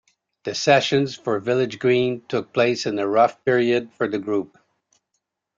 The sessions for "Village Green" took place in a rough period for the group.